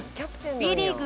Ｂ リーグ